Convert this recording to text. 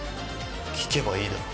聞けばいいだろ。